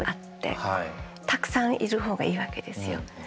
たくさんいる方がいいわけですよ。